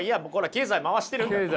経済回してる。